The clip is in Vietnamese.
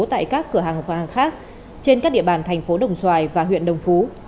tại các cửa hàng vàng khác trên các địa bàn thành phố đồng xoài và huyện đồng phú